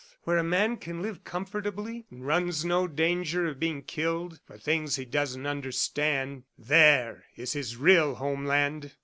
Where a man can live comfortably and runs no danger of being killed for things he doesn't understand there is his real homeland!"